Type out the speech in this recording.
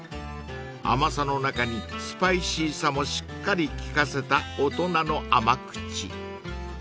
［甘さの中にスパイシーさもしっかり効かせた大人の甘口］